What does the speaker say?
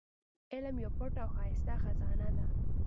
علم يوه پټه او ښايسته خزانه ده.